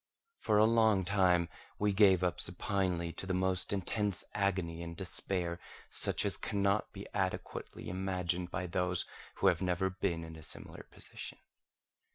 For a long time we gave up supinely to the most intense agony and despair, such as cannot be adequately imagined by those who have never been in a similar position.